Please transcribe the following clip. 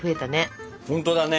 ほんとだね！